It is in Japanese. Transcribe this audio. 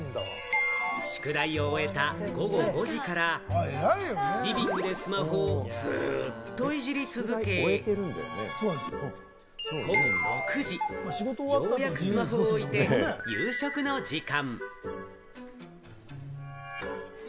宿題を終えた午後５時からリビングでスマホをずっといじり続け、午後６時、ようやくスマホを置いて、夕食の時間。